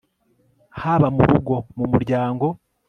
haba mu rugo, mu muryango